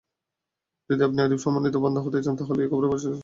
যদি আপনি এরূপ সম্মানিত বান্দা হতে চান তাহলে এ কবরে প্রবেশ করুন।